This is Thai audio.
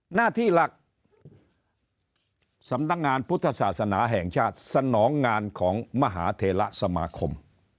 หน้าที่หลักสำนักงานพุทธศาสนาแห่งชาติสนองงานของมหาเทระสมาคม